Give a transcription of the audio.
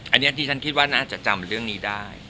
อันนี้ที่ฉันคิดว่าน่าจะจำเรื่องนี้ได้